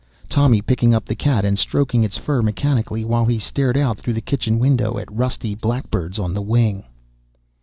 Tommy picking up the cat and stroking its fur mechanically, while he stared out through the kitchen window at rusty blackbirds on the wing